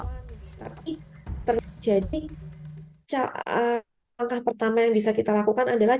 tapi terjadi langkah pertama yang bisa kita lakukan adalah